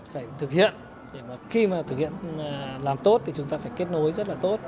phải thực hiện để mà khi mà thực hiện làm tốt thì chúng ta phải kết nối rất là tốt